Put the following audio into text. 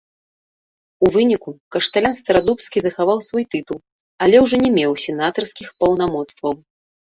У выніку, кашталян старадубскі захаваў свой тытул, але ўжо не меў сенатарскіх паўнамоцтваў.